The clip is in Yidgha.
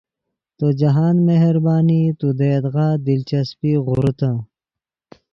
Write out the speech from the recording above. تو جاہند مہربانی تو دے یدغا دلچسپی غوریتے